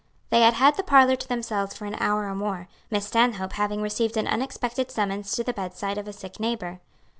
They had had the parlor to themselves for an hour or more, Miss Stanhope having received an unexpected summons to the bedside of a sick neighbor.